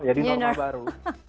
jadi normal baru